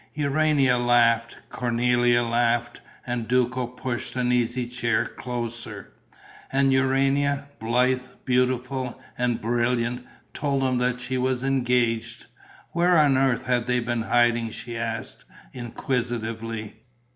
Urania laughed, Cornélie laughed and Duco pushed an easy chair closer. And Urania, blithe, beautiful and brilliant, told them that she was engaged. Where on earth had they been hiding, she asked, inquisitively.